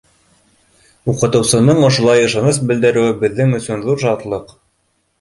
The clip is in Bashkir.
Уҡытыусының ошолай ышаныс белдереүе беҙҙең өсөн ҙур шатлыҡ.